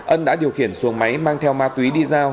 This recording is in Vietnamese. ân đã điều khiển xuồng máy mang theo ma túy đi giao